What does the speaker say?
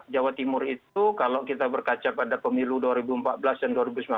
jawa timur itu kalau kita berkaca pada pemilu dua ribu empat belas dan dua ribu sembilan belas